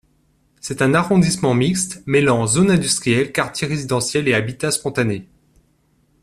C'est un arrondissement mixte, mêlant zone industrielle, quartiers résidentiels et habitat spontané.